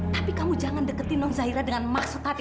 tapi kamu jangan deketin non zahira dengan maksud hati